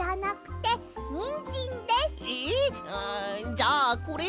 じゃあこれに。